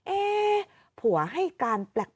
ผัวให้การแปลก